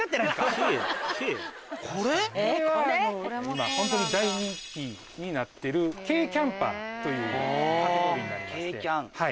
今ホントに大人気になってる軽キャンパーというカテゴリーになりまして。